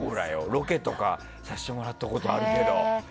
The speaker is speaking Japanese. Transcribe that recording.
ロケとかさせてもらったことあるけど。